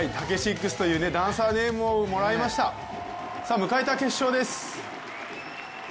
迎えた決勝です。